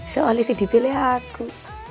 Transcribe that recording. soalnya sih dibeli aku